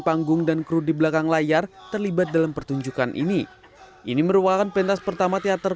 panggung dan kru di belakang layar terlibat dalam pertunjukan ini ini merupakan pentas pertama teater